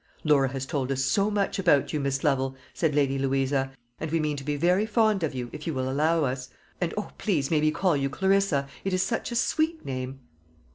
_ "Laura has told us so much about you, Miss Lovel," said Lady Louisa, "and we mean to be very fond of you, if you will allow us; and, O, please may we call you Clarissa? It is such a sweet name!"